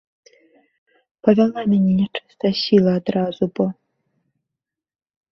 Павяла мяне нячыстая сіла адразу бо!